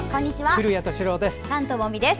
古谷敏郎です。